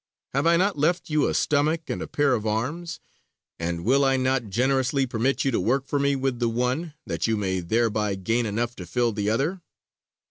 Have I not left you a stomach and a pair of arms, and will I not generously permit you to work for me with the one, that you may thereby gain enough to fill the other?